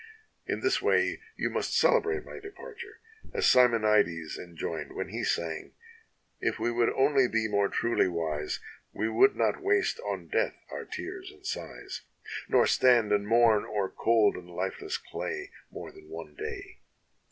' In this way you must celebrate my departure, as Simonides enjoined when he sang: — 'If we would only be more truly wise, We should not waste on death our tears and sighs, Not stand and mourn o'er cold and lifeless clay More than one day.